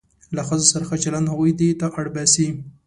له ښځو سره ښه چلند هغوی دې ته اړ باسي.